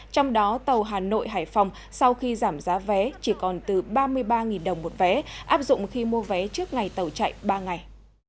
trong đó tàu hà nội hải phòng sau khi giảm giá vé chỉ còn từ ba mươi ba đồng một vé áp dụng khi mua vé trước ngày tàu chạy ba ngày